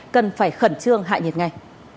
cần phải khẩn trương hại nhiệt ngay